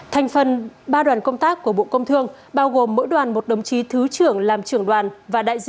thành phần ba đoàn công tác của bộ công thương bao gồm mỗi đoàn một đồng chí thứ trưởng làm trưởng đoàn và đại diện bốn đơn vị